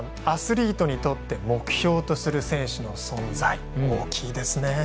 アスリートにとって目標とする選手の存在大きいですね。